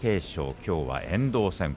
きょうは遠藤戦です。